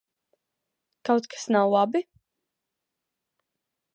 Kaut kas nav labi?